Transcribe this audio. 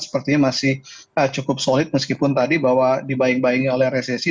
sepertinya masih cukup solid meskipun tadi bahwa dibayang bayangi oleh resesi